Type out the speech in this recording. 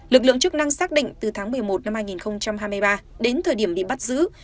lực lượng chức năng xác định từ tháng một mươi một năm hai nghìn hai mươi ba đến thời điểm bị bắt giữ